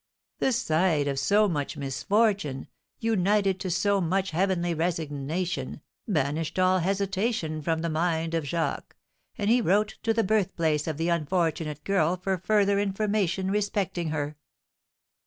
The sight of so much misfortune, united to so much heavenly resignation, banished all hesitation from the mind of Jacques, and he wrote to the birthplace of the unfortunate girl for further information respecting her.